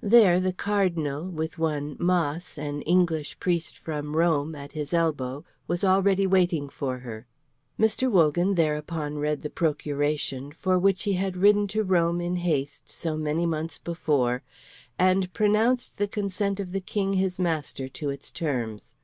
There the Cardinal, with one Maas, an English priest from Rome, at his elbow, was already waiting for her. Mr. Wogan thereupon read the procuration, for which he had ridden to Rome in haste so many months before, and pronounced the consent of the King his master to its terms.